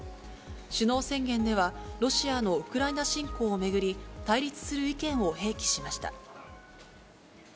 首脳宣言では、ロシアのウクライナ侵攻を巡り、対立する意見を併記しました。